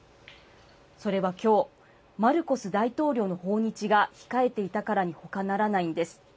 それはきょう、マルコス大統領の訪日が控えていたからにほかならないんです。